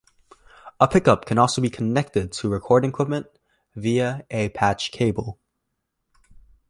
A pickup can also be connected to recording equipment via a patch cable.